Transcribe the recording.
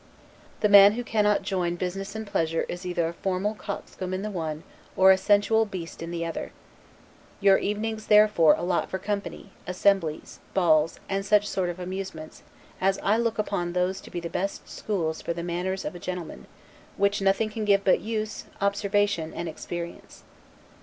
The man who cannot join business and pleasure is either a formal coxcomb in the one, or a sensual beast in the other. Your evenings I therefore allot for company, assemblies, balls, and such sort of amusements, as I look upon those to be the best schools for the manners of a gentleman; which nothing can give but use, observation, and experience.